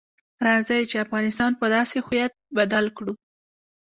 راځئ چې افغانستان په داسې هویت بدل کړو.